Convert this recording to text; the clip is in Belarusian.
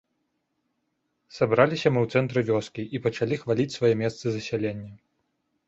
Сабраліся мы ў цэнтры вёскі і пачалі хваліць свае месцы засялення.